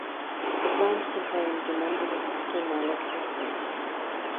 The plant contains a number of phenolic acids.